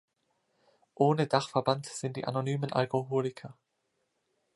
Ohne Dachverband sind die Anonymen Alkoholiker.